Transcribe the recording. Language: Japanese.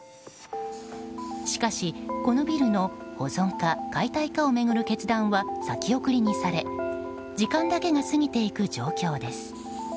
しかし、このビルの保存か解体かを巡る決断は先送りにされ時間だけが過ぎていく状況です。